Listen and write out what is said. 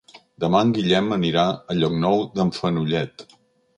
Demà en Guillem anirà a Llocnou d'en Fenollet.